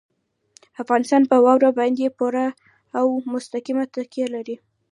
افغانستان په واوره باندې پوره او مستقیمه تکیه لري.